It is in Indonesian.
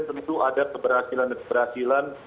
tentu ada keberhasilan keberhasilan